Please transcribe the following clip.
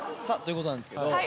さあということなんですけど。